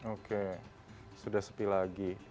oke sudah sepi lagi